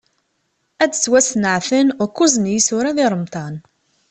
Ad d-ttwasneɛten ukkuẓ n yisura di Remḍan.